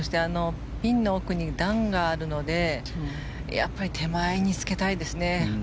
ピンの奥に段があるので手前につけたいですね。